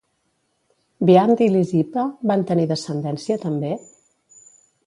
Biant i Lisipe van tenir descendència, també?